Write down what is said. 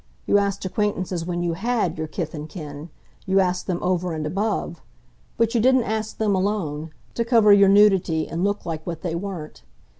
You asked acquaintances when you HAD your kith and kin you asked them over and above. But you didn't ask them alone, to cover your nudity and look like what they weren't.